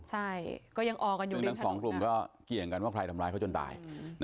ต้องสงสรุปก็เกี่ยวกันว่าใครทำร้ายเขาจนตาย